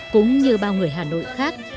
cũng như bao người hà nội khác